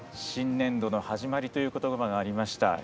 新年度の始まりということばがありました。